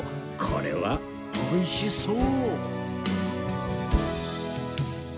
これは美味しそう